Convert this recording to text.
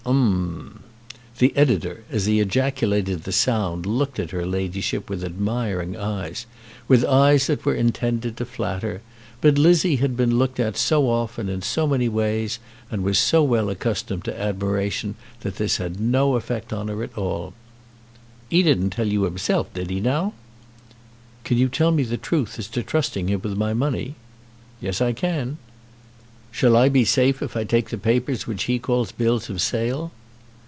"Um m!" The Editor as he ejaculated the sound looked at her ladyship with admiring eyes, with eyes that were intended to flatter. But Lizzie had been looked at so often in so many ways, and was so well accustomed to admiration, that this had no effect on her at all. "'E didn't tell you himself; did 'e, now?" "Can you tell me the truth as to trusting him with my money?" "Yes, I can." "Shall I be safe if I take the papers which he calls bills of sale?"